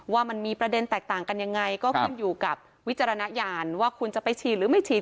ว่ามันมีประเด็นแตกต่างกันยังไงก็ขึ้นอยู่กับวิจารณญาณว่าคุณจะไปฉีดหรือไม่ฉีด